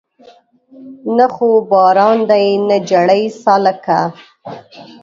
نه خو باران دی نه جړۍ سالکه